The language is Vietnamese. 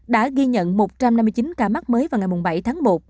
đã ghi nhận một trăm năm mươi chín ca mắc mới vào ngày bảy tháng một